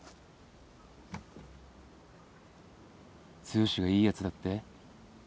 剛がいいやつだって？